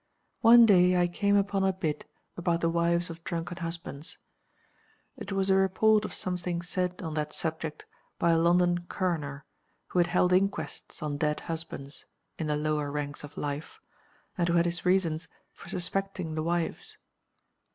One day I came upon a bit about the wives of drunken husbands. It was a report of something said on that subject by a London coroner, who had held inquests on dead husbands (in the lower ranks of life), and who had his reasons for suspecting the wives.